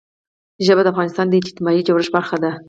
ژبې د افغانستان د اجتماعي جوړښت برخه ده.